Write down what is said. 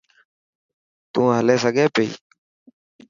تون هلي سگھي پئي.